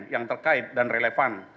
yang terkait dan relevan